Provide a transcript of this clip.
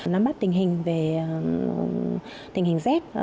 nắm bắt tình hình về tình hình z